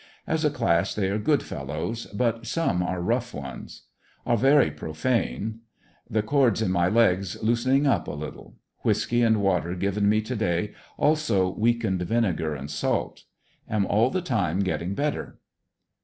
As a class they are good fellows, but some are rough ones . Are very profane. The cor is in my legs loosening up a little. Whiskey and water given me to day, also weakened vinegar and salt. Am all the time getting better.